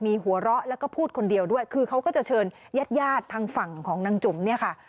มีหัวเราะแล้วก็พูดคนเดียวด้วยคือเขาก็จะเชิญญาติญาติทางฝั่งของนางจุ๋มเนี่ยค่ะ